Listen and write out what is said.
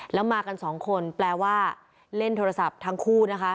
แล้วมากันสองคนแปลว่าเล่นโทรศัพท์ทั้งคู่นะคะ